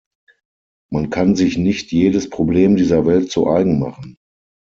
Man kann sich nicht jedes Problem dieser Welt zu eigen machen.